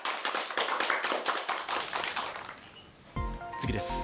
次です。